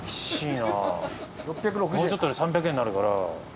もうちょっとで３００円になるから。